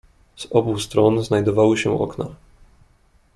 "Z obu stron znajdowały się okna."